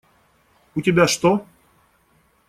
У тебя что?